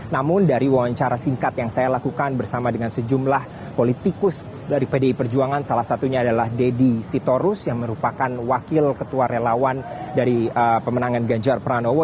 namun dari wawancara singkat yang saya lakukan bersama dengan sejumlah politikus dari pdi perjuangan salah satunya adalah deddy sitorus yang merupakan wakil ketua relawan dari pemenangan ganjar pranowo